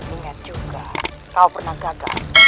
ingat juga kau pernah gagal